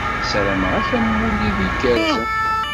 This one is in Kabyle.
Sarameɣ-ak amulli d igerrzen.